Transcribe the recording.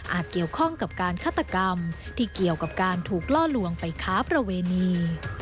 เกี่ยวข้องกับการฆาตกรรมที่เกี่ยวกับการถูกล่อลวงไปค้าประเวณี